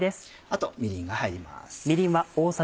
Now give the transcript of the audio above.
あとみりんが入ります。